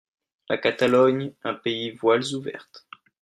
La Catalogne un pays voiles ouvertes.